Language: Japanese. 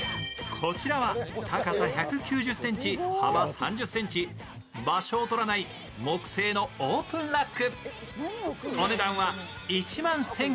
こちらは高さ１９０ｃｍ、幅３０ｃｍ、場所をとらない木製のオープンラック。